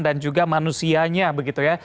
dan juga manusianya begitu ya